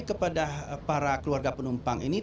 kepada para keluarga penumpang ini